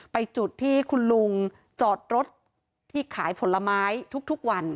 จุดที่คุณลุงจอดรถที่ขายผลไม้ทุกวัน